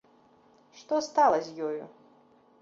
Што стала з ёю?